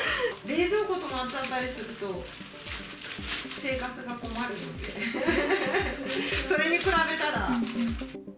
冷蔵庫止まったりすると、生活が困るので、それに比べたら。